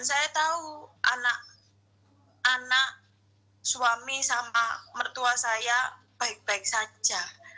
saya tahu anak suami sama mertua saya baik baik saja